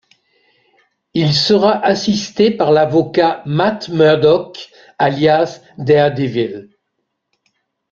Il sera assisté par l’avocat Matt Murdock alias Daredevil.